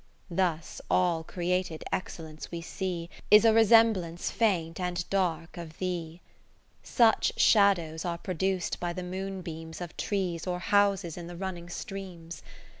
( 547 ) N Thus all created Excellence we see Is a resembla nee faint and dark of Thee. Such shadows are produc'd by the moon beams Of trees or houses in the running streams.